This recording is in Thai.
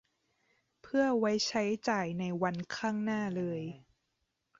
เพื่อไว้ใช้จ่ายในวันข้างหน้าเลย